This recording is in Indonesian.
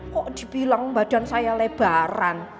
kok dibilang badan saya lebaran